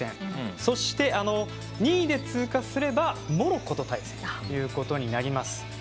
そして２位で通過すればモロッコと対戦ということになります。